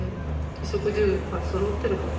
衣食住がそろってること。